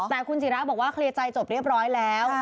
แต่คุณศิราบอกว่าเคลียร์ใจจบเรียบร้อยแล้ว